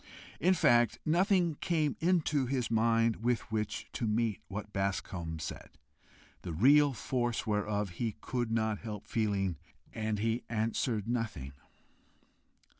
In fact, nothing came into his mind with which to meet what Bascombe said the real force whereof he could not help feeling and he answered nothing.